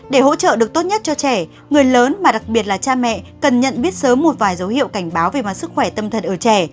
để hỗ trợ được tốt nhất cho trẻ người lớn mà đặc biệt là cha mẹ cần nhận biết sớm một vài dấu hiệu cảnh báo về mặt sức khỏe tâm thần ở trẻ